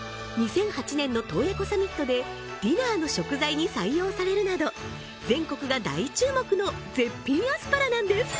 ２００８年の洞爺湖サミットでディナーの食材に採用されるなど全国が大注目の絶品アスパラなんです